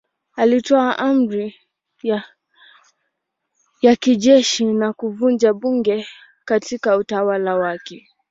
Alitoa amri ya kijeshi ya kuvunja bunge katika utawala wake.